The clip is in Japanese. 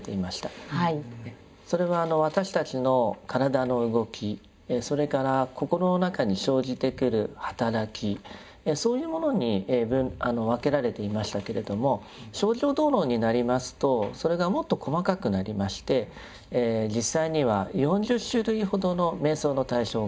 それは私たちの体の動きそれから心の中に生じてくる働きそういうものに分けられていましたけれども「清浄道論」になりますとそれがもっと細かくなりまして実際には４０種類ほどの瞑想の対象が出てまいります。